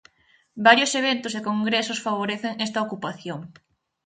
Varios eventos e congresos favorecen esta ocupación.